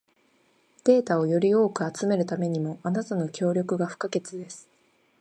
データをより多く集めるためにも、あなたの協力が不可欠です。